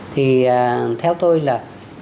thì theo tôi là